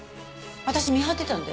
私見張ってたんで。